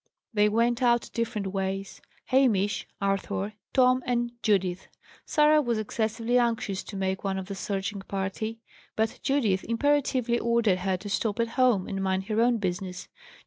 They went out different ways: Hamish, Arthur, Tom, and Judith. Sarah was excessively anxious to make one of the searching party, but Judith imperatively ordered her to stop at home and mind her own business.